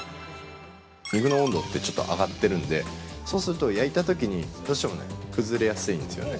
◆肉の温度って、ちょっと上がってるんで、そうすると焼いたときにどうしても崩れやすいんですよね。